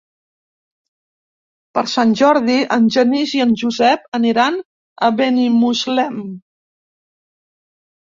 Per Sant Jordi en Genís i en Josep aniran a Benimuslem.